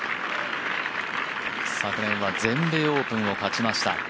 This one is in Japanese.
昨年は全米オープンを勝ちました。